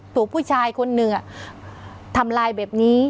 ถูกผู้ชายคนหนึ่งทำลายแบบนี้